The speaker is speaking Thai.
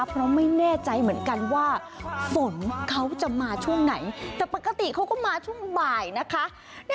เพราะไม่แน่ใจเหมือนกันว่าฝนเขาจะมาช่วงไหนแต่ปกติเขาก็มาช่วงบ่ายนะคะ